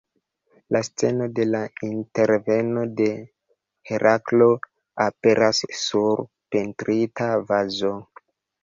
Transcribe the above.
La sceno de la interveno de Heraklo aperas sur pentrita vazo.